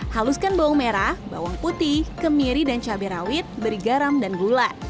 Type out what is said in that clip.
haluskan bawang merah bawang putih kemiri dan cabai rawit beri garam dan gula